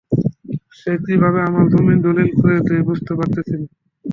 সে কীভাবে আমার জমি দলিল করে দেয় বুঝতে পারছি না।